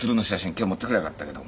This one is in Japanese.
今日持ってくりゃよかったけど。